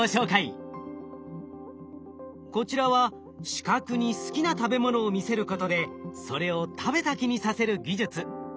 こちらは視覚に好きな食べ物を見せることでそれを食べた気にさせる技術。